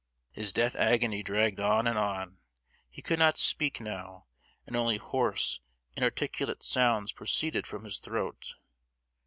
His death agony dragged on and on! He could not speak now, and only hoarse inarticulate sounds proceeded from his throat.